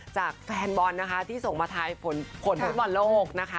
จากแฟนบอลที่ส่งมาท้ายผลฟุตบอลโลก